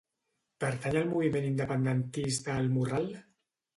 Pertany al moviment independentista el Morral?